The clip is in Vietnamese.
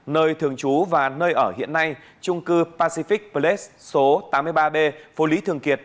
nơi thường trú và nơi ở hiện nay trung cư pacific plex số tám mươi ba b phố lý thường kiệt